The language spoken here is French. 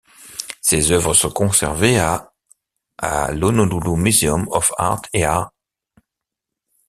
Ses œuvres sont conservées à l', à l'Honolulu Museum of Art et à l'